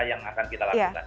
yang akan kita lakukan